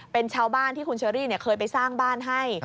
เป็นชาวบ้านที่คุณเชอรี่เคยไปสร้างบ้านให้